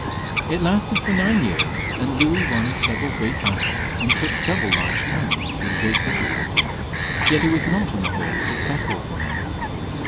It lasted for nine years, and Louis won several great battles, and took several large towns, with great difficulty ; yet it was not on the whole successful for him.